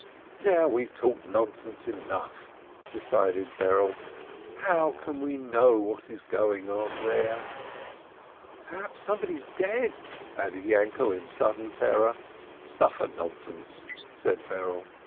"Now we've talked nonsense enough !" decided Berele. "How can we know what is going on there ?" "Perhaps somebody's dead !" added Yainkele, in sud den terror. "Stuff and nonsense!" said Berele.